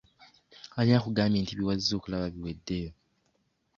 Ani akugambye nti bye wazze okulaba biweddeyo?